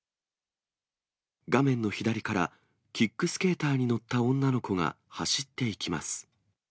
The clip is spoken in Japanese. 画面の左から、キックスケーターに乗った女の子が走っていきます。